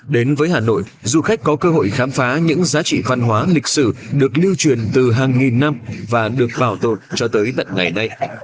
đến với hà nội du khách có cơ hội khám phá những giá trị văn hóa lịch sử được lưu truyền từ hàng nghìn năm và được bảo tồn cho tới tận ngày nay